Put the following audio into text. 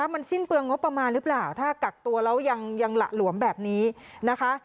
มันสิ้นเปลืองงบประมาณหรือเปล่าถ้ากักตัวแล้วยังหละหลวมแบบนี้นะคะ